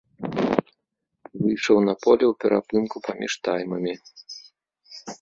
Выйшаў на поле ў перапынку паміж таймамі.